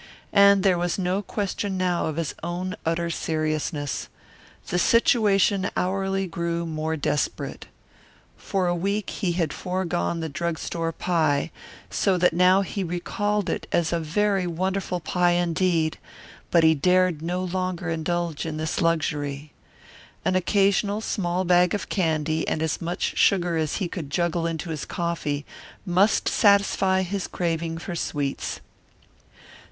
And there was no question now of his own utter seriousness. The situation hourly grew more desperate. For a week he had foregone the drug store pie, so that now he recalled it as very wonderful pie indeed, but he dared no longer indulge in this luxury. An occasional small bag of candy and as much sugar as he could juggle into his coffee must satisfy his craving for sweets.